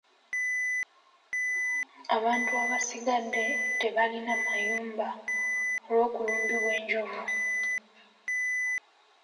Abantu basigadde tebalina mayumba olw'okulumbibwa enjovu.